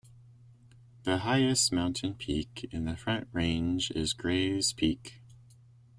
The highest mountain peak in the Front Range is Grays Peak.